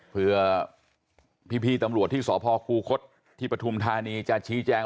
เพื่อพี่ตำรวจที่สพคูคศที่ปฐุมธานีจะชี้แจง